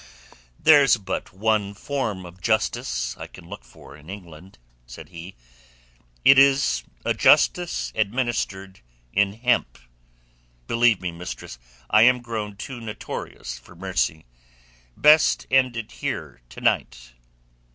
"There's but one form of justice I can look for in England," said he. "It is a justice administered in hemp. Believe me, mistress, I am grown too notorious for mercy. Best end it here to night.